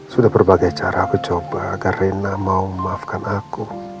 sudah berbagai cara aku coba agar rena mau memaafkan aku